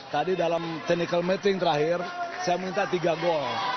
tadi dalam technical meeting terakhir saya minta tiga gol